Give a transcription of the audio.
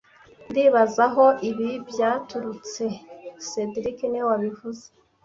Ndibaza aho ibi byaturutse cedric niwe wabivuze